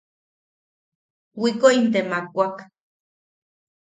Wikoʼim te makwak.